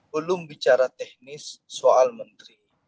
belum bicara teknis soal menteri